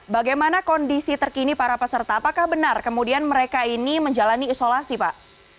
bagaimana kondisi terkini para peserta apakah benar kemudian mereka ini menjalani isolasi pak